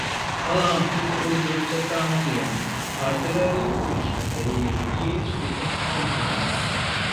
Alām tika uzbrukts ar tankiem, artilēriju, ugunsmetējiem, ieejas tika spridzinātas.